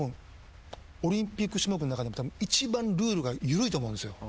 オリンピック種目の中でも一番ルールが緩いと思うんですよ。